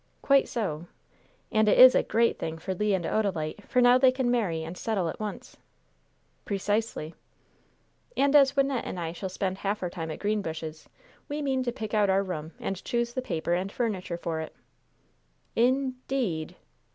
"Quite so." "And it is a great thing for Le and Odalite, for now they can marry and settle at once." "Precisely." "And as Wynnette and I shall spend half our time at Greenbushes, we mean to pick out our room and choose the paper and furniture for it." "In deed!"